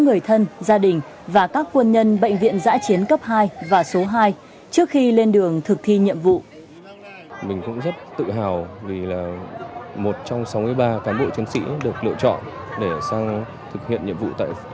người thân gia đình và các quân nhân bệnh viện giã chiến cấp hai và số hai trước khi lên đường thực thi nhiệm vụ